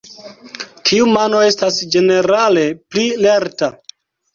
Kiu mano estas ĝenerale pli lerta?